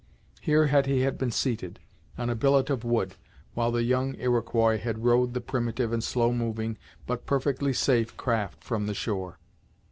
Here Hetty had been seated, on a billet of wood, while the young Iroquois had rowed the primitive and slow moving, but perfectly safe craft from the shore.